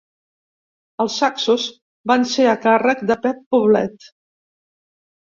Els saxos van ser a càrrec de Pep Poblet.